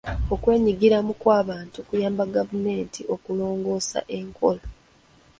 Okwenyigiramu kw'abantu kuyamba gavumenti okulongoosa enkola.